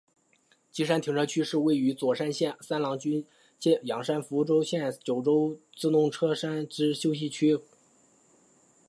基山停车区是位于佐贺县三养基郡基山町与福冈县筑紫野市的九州自动车道之休息区。